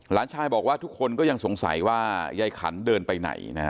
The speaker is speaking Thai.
หลานชายบอกว่าทุกคนสงสัยว่าใยขันเดินไปไหน